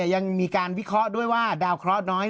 ยังมีการวิเคราะห์ด้วยว่าดาวเคราะห์น้อย